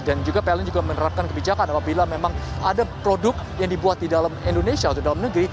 dan juga pln juga menerapkan kebijakan apabila memang ada produk yang dibuat di dalam indonesia atau dalam negeri